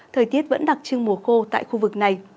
thời tiết vẫn đặc trưng mùa khô tại khu vực này